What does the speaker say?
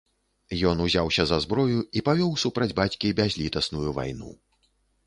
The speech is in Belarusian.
Ён узяўся за зброю і павёў супраць бацькі бязлітасную вайну.